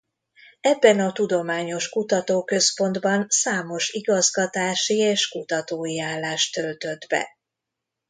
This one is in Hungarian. Ebben a tudományos kutatóközpontban számos igazgatási és kutatói állást töltött be.